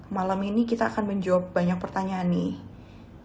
malam ini kita akan menjawab banyak pertanyaan nih